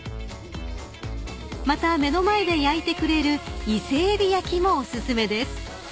［また目の前で焼いてくれるイセエビ焼きもお薦めです］